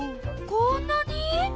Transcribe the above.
こんなに？